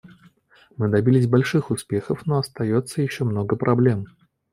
Мы добились больших успехов, но остается еще много проблем.